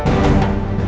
aku tidak akan menang